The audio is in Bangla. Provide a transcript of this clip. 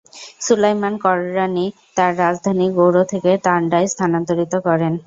সুলায়মান কররানী তাঁর রাজধানী গৌড় থেকে তান্ডায় স্থানান্তরিত করেন।